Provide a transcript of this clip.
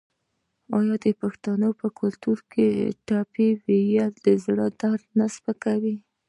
آیا د پښتنو په کلتور کې د ټپې ویل د زړه درد نه سپکوي؟